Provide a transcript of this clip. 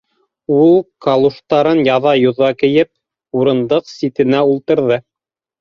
— Ул, калуштарын яҙа-йоҙа кейеп, урындыҡ ситенә ултырҙы.